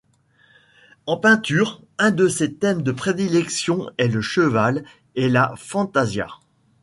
En peinture, un de ses thèmes de prédilection est le cheval et la fantasia.